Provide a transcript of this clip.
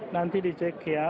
nanti dicek ya